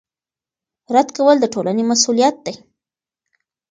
رد کول د ټولنې مسوولیت دی